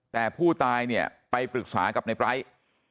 แต่ผู้ตายเนี่ยไปปรึกษากับในไร้